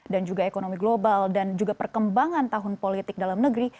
dan juga ekonomi global dan juga perkembangan tahun politik dalam negeri